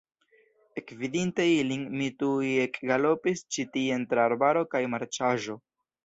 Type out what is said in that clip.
Ekvidinte ilin, mi tuj ekgalopis ĉi tien tra arbaro kaj marĉaĵo.